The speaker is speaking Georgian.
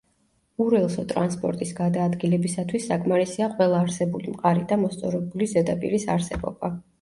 ურელსო ტრანსპორტის გადაადგილებისათვის საკმარისია ყველა არსებული მყარი და მოსწორებული ზედაპირის არსებობა.